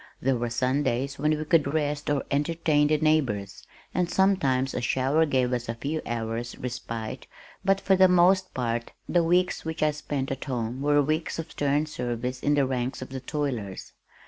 There were Sundays when we could rest or entertain the neighbors, and sometimes a shower gave us a few hours' respite, but for the most part the weeks which I spent at home were weeks of stern service in the ranks of the toilers.